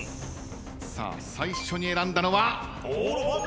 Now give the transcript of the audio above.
さあ最初に選んだのは。